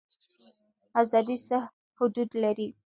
ازادي څه حدود لري؟